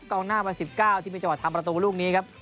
หน้าวัน๑๙ที่มีจังหวะทำประตูลูกนี้ครับ